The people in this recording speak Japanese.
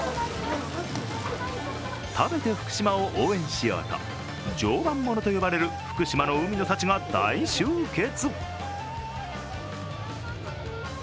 食べて福島を応援しようと、常磐ものと呼ばれる福島の海の幸が大集結。